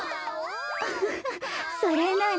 ウフフそれなら。